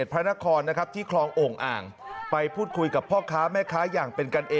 ส่วนครับตอนนี้นะคะนิดหนึ่งเห็นคือ